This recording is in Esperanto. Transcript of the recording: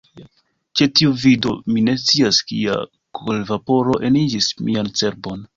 Ĉe tiu vido, mi ne scias kia kolervaporo eniĝis mian cerbon.